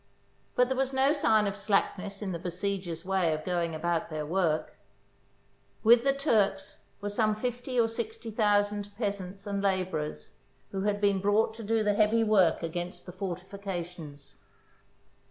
But there was no sign of slackness in the besiegers' way of going about their work. With the Turks were some fifty or sixty thousand peasants and labourers who had been brought to do the heavy work against the forti fications.